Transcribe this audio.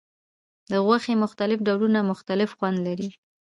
د غوښې مختلف ډولونه مختلف خوند لري.